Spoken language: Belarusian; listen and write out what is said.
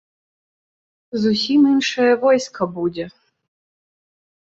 Зусім іншае войска будзе.